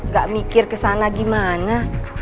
gak mikir kesana gimana